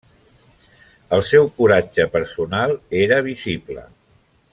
El seu coratge personal era visible.